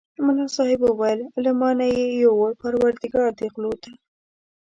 ملا صاحب وویل له ما نه یې یووړ پرودګار دې غلو ته.